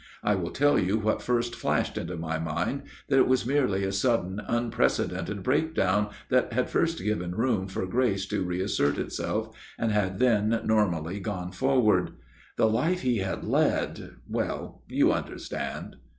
" I will tell you what first flashed into my mind, that it was merely a sudden unprecedented breakdown that had first given room for grace to reassert itself, and had then normally gone forward. The life he had led well, you understand.